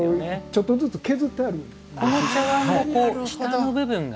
ちょっとずつ削ってあるんです。